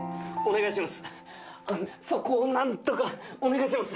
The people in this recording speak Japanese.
お願いします。